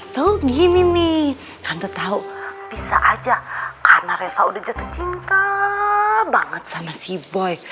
tante gini nih tante tau bisa aja karena reva udah jatuh cinta banget sama si boy